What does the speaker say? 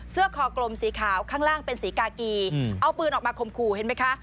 คอกลมสีขาวข้างล่างเป็นสีกากีเอาปืนออกมาข่มขู่เห็นไหมคะ